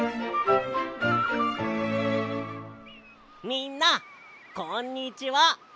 みんなこんにちは！